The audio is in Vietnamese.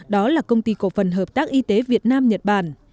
đó là công ty cổ phần hợp tác y tế việt nam nhật bản